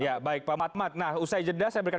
ya baik pak matmat nah usai jeda saya berikan